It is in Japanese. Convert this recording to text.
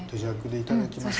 いただきます。